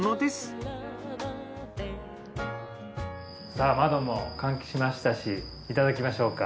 さぁ窓も換気しましたしいただきましょうか。